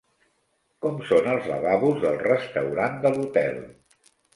Com són els lavabos del restaurant de l'hotel?